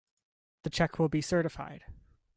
The check will be certified.